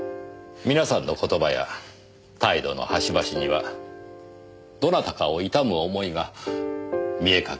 皆さんの言葉や態度の端々にはどなたかを悼む思いが見え隠れしていました。